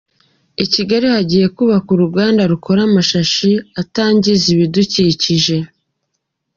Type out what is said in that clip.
I Kigali hagiye kubakwa uruganda rukora amashashi atangiza ibidukikije